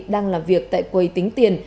đang làm việc tại quầy tính tiền